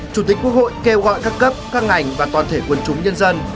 chủ tịch quốc hội kêu gọi các cấp các ngành và toàn thể quần chúng nhân dân